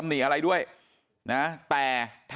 มันต้องการมาหาเรื่องมันจะมาแทงนะ